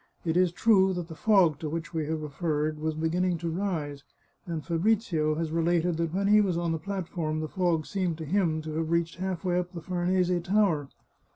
It is true that the fog to which we have referred was beginning to rise, and Fabrizio has related that when he was on the plat form the fog seemed to him to have reached half way up the Farnese Tower.